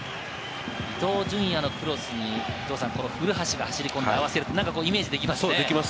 伊東純也のクロスに古橋が走り込んで合わせるイメージできますね。